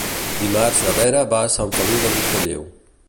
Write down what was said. Dimarts na Vera va a Sant Feliu de Buixalleu.